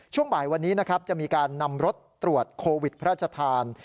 ช่วงบ่ายวันนี้จะมีการนำรถตรวจโควิดพระจทาน